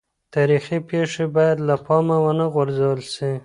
تاریخي پېښې باید له پامه ونه غورځول سي.